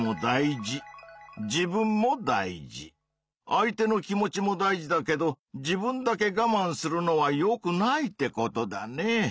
相手の気持ちも大事だけど自分だけがまんするのはよくないってことだね。